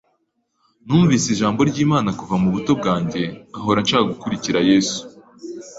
Numvise ijambo ry’Imana kuva mu buto bwanjye nkahora nshaka gukurikira Yesu